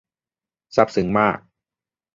ซาบซึ้งมาก